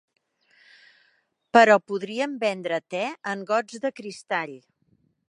Però podríem vendre té en gots de cristall.